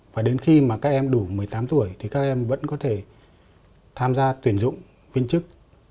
và đến khi mà các em đủ một mươi tám tuổi thì các em vẫn có thể tham gia tuyển dụng viên chức